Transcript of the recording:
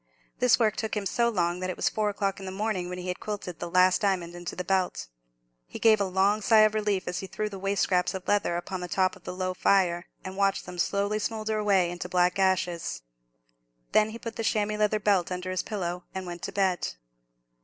This work took him so long, that it was four o'clock in the morning when he had quilted the last diamond into the belt. He gave a long sigh of relief as he threw the waste scraps of leather upon the top of the low fire, and watched them slowly smoulder away into black ashes. Then he put the chamois leather belt under his pillow, and went to bed.